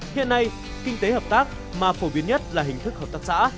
hiện nay kinh tế hợp tác mà phổ biến nhất là hình thức hợp tác xã